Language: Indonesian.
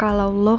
ketemunya sama gue